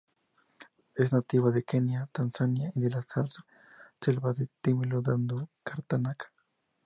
Es nativa de Kenia, Tanzania y de las selvas de Tamil Nadu y Karnataka.